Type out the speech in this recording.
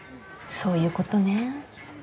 そういうことね。